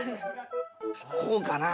こうかな？